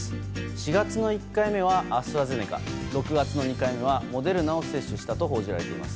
４月の１回目はアストラゼネカ６月の２回目はモデルナを接種したと報じられています。